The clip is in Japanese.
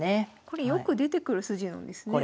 これよく出てくる筋なんですね。